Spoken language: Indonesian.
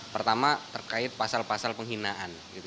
pertama terkait pasal pasal penghinaan